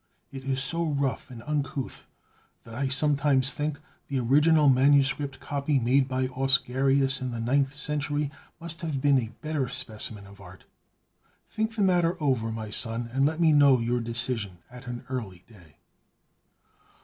It is so rough and uncouth that I sometimes think the original manuscript copy made by Ausgarius in the ninth century must have been a better specimen of art. Think the matter over, my son, and let me know your decision at an early day."